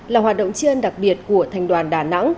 là hoạt động chiên đặc biệt của thành đoàn đà nẵng